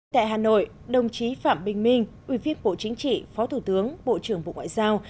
tại hà nội đồng chí phạm bình minh ủy viên bộ chính trị phó thủ tướng bộ trưởng bộ ngoại giao